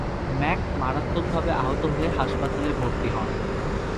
Mac মারাত্মকভাবে আহত হয়ে হাসপাতালে ভর্তি হন।